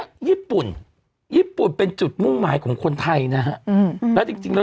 ญี่ปุ่นญี่ปุ่นเป็นจุดมุ่งหมายของคนไทยนะฮะอืมแล้วจริงจริงแล้ว